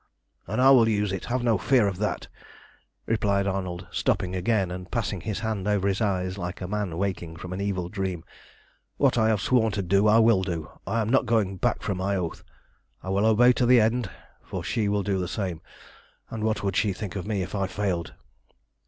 "And I will use it, have no fear of that!" replied Arnold, stopping again and passing his hand over his eyes like a man waking from an evil dream. "What I have sworn to do I will do; I am not going back from my oath. I will obey to the end, for she will do the same, and what would she think of me if I failed!